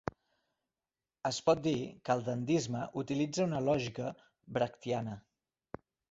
Es pot dir que el dandisme utilitza una lògica brechtiana.